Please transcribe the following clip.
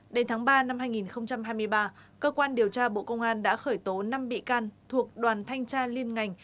đến tháng ba năm hai nghìn hai mươi ba cơ quan điều tra bộ công an đã khởi tố năm bị can thuộc đoàn thanh tra liên ngành